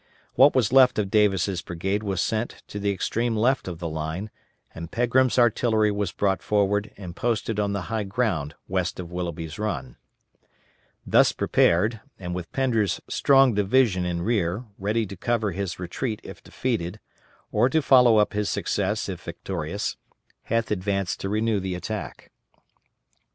What was left of Davis' brigade was sent to the extreme left of the line, and Pegram's artillery was brought forward and posted on the high ground west of Willoughby's Run. Thus prepared, and with Pender's strong division in rear, ready to cover his retreat if defeated, or to follow up his success if victorious, Heth advanced to renew the attack.